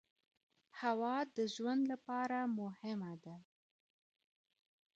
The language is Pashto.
هوا د ژوند لپاره مهمه ده.